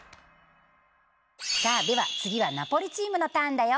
さあでは次はナポリチームのターンだよ。